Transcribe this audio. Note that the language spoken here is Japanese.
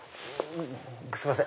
すいません